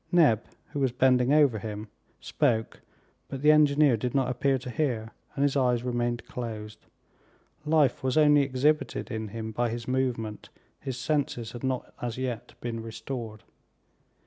Neb, who was bending over him, spoke, but the engineer did not appear to hear, and his eyes remained closed. Life was only exhibited in him by movement, his senses had not as yet been restored.